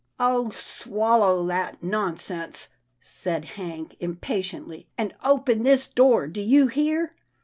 " "Oh! swallow that nonsense," said Hank, im patiently, " and open this door. Do you hear?